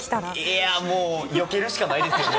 いやー、もう、よけるしかないですよね。